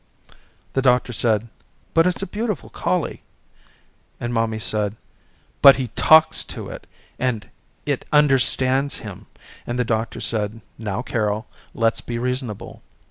The doctor said but it's a beautiful collie, and mommy said but he talks to it and it understands him, and the doctor said now, Carol, let's be reasonable.